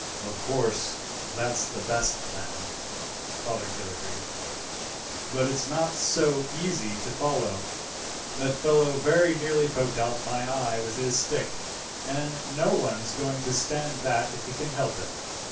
"Of course, that's the best plan," Fothergill agreed, "but it's not so easy to follow. That fellow very nearly poked out my eye with his stick, and no one's going to stand that if he can help it."